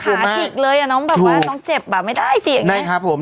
ขาจิกเลยด้วยน้องเจ็บอ่ะน่าจะได้สิ